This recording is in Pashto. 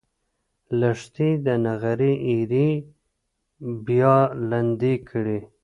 لښتې د نغري ایرې بیا لندې کړې.